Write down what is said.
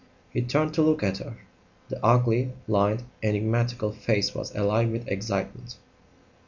He turned to look at her. The ugly, lined, enigmatical face was alive with excitement.